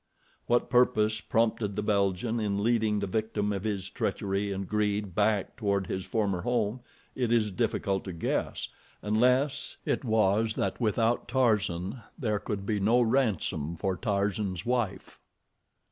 What purpose prompted the Belgian in leading the victim of his treachery and greed back toward his former home it is difficult to guess, unless it was that without Tarzan there could be no ransom for Tarzan's wife.